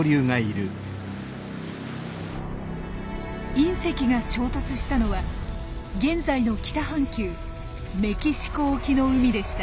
隕石が衝突したのは現在の北半球メキシコ沖の海でした。